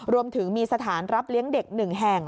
รวมถึงมีสถานรับเลี้ยงเด็ก๑แห่ง